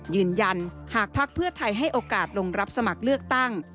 ยืนยันหากภักดิ์เพื่อไทยให้โอกาสลงรับสมัครเลือกตั้ง